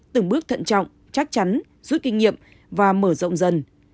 từng bước thận trọng chắc chắn rút kinh nghiệm và mở rộng dần